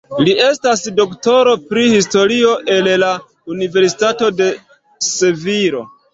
Li estas doktoro pri Historio el la Universitato de Sevilo.